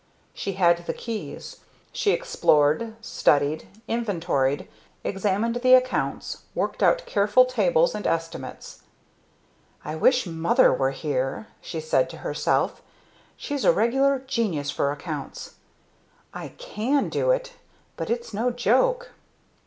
She had the keys; she explored, studied, inventoried, examined the accounts, worked out careful tables and estimates. "I wish Mother were here!" she said to herself. "She's a regular genius for accounts. I can do it but it's no joke."